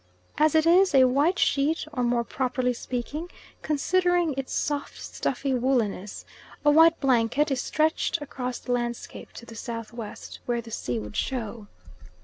As it is, a white sheet or more properly speaking, considering its soft, stuffy woolliness, a white blanket is stretched across the landscape to the south west, where the sea would show.